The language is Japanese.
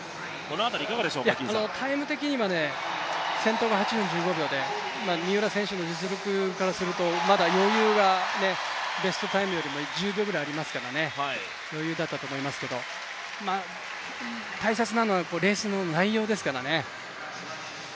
タイム的には、先頭が８分１５秒で三浦選手の実力からするとまだ余裕が、ベストタイムよりも１０秒ぐらいありますから余裕だったと思いますけど大切なのはレースの内容ですからね。